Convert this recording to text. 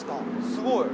すごい！